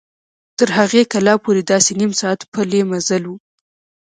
تر هغې کلا پورې داسې نیم ساعت پلي مزل و.